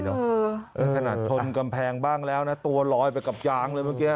ถนกำแพงบ้างแล้วตัวลอยไปกับยางเลยเมื่อกี้